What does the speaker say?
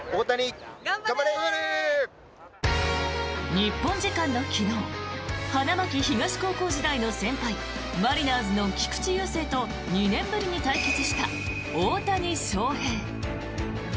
日本時間の昨日花巻東高校時代の先輩マリナーズの菊池雄星と２年ぶりに対決した大谷翔平。